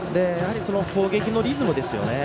攻撃のリズムですよね。